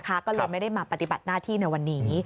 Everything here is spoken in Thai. ก็เลยไม่ได้มาปฏิบัติหน้าที่ในวันนี้